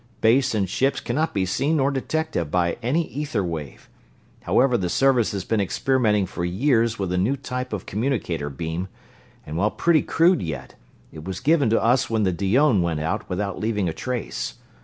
Base and ships cannot be seen nor detected by any ether wave. However, the Service has been experimenting for years with a new type of communicator beam; and, while pretty crude yet, it was given to us when the Dione went out without leaving a trace.